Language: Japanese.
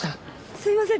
すみません